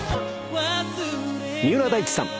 三浦大知さん。